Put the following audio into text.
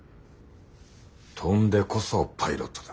飛んでこそパイロットだ。